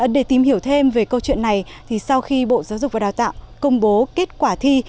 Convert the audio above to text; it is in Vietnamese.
để tìm hiểu thêm về câu chuyện này sau khi bộ giáo dục và đào tạo công bố kết quả thi